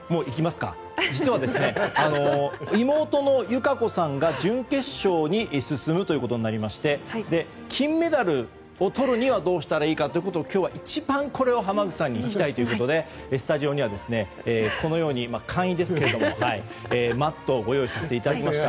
実は妹の友香子さんが準決勝に進むということになりまして金メダルをとるにはどうしたらいいかということを今日は一番これを浜口さんに聞きたいということでスタジオには簡易ですけどもマットをご用意させていただきました。